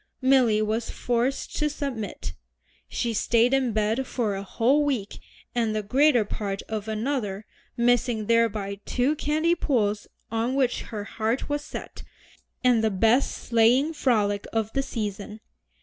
Milly was forced to submit. She stayed in bed for a whole week and the greater part of another, missing thereby two candy pulls on which her heart was set, and the best sleighing frolic of the season.